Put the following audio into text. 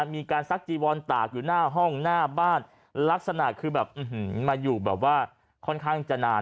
ซักจีวอนตากอยู่หน้าห้องหน้าบ้านลักษณะคือแบบมาอยู่แบบว่าค่อนข้างจะนาน